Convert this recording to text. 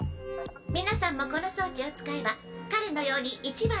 皆さんもこの装置を使えば彼のように一番のエリートに。